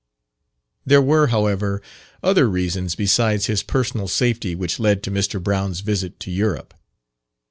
There were, however, other reasons besides his personal safety which led to Mr. Brown's visit to Europe.